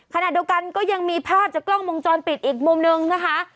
ขณะเดียวกันก็ยังมีภาพจากกล้องวงจรปิดอีกมุมนึงนะคะ